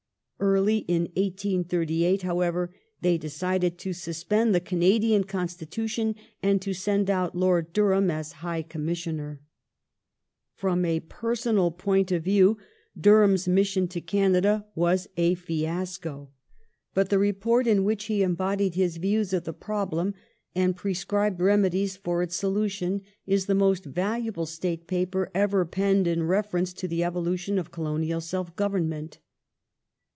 Early in 1838, however, they decided to suspend the Canadian Constitution and to send out Lord Durham as High Commissioner. Lord From a personal point of view, Durham's mission to Canada was Durham's a fiasco ; but the Report in which he embodied his views of the and Re problem, and prescribed remedies for its solution, is the most port valuable State paper ever penned in reference to the evolution of Colonial self government.